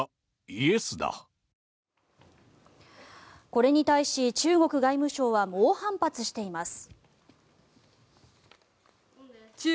これに対し、中国外務省は猛反発しています。